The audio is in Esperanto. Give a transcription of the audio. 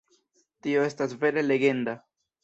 Tio estas vere legenda!